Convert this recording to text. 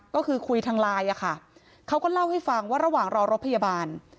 ก็คือคุยทางไลน์อะค่ะเขาก็เล่าให้ฟังว่าระหว่างรอรถพยาบาล